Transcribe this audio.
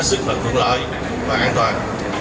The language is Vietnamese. sức mạnh phúc lợi và an toàn